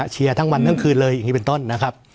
เชียร์ทั้งวันทั้งคืนเลยอย่างนี้เป็นต้นนะครับ